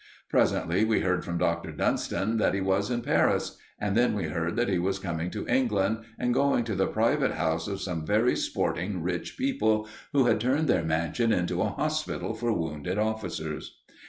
Presently we heard from Dr. Dunston that he was in Paris; and then we heard that he was coming to England and going to the private house of some very sporting rich people who had turned their mansion into a hospital for wounded officers.